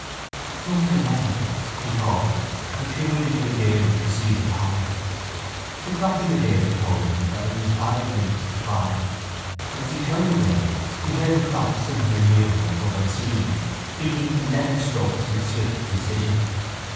It must be eleven, he thought, and peered into a dairy to see the time. The clock in the dairy told him that it was five minutes to five but, as he turned away, he heard a clock somewhere near him, but unseen, beating eleven strokes in swift precision.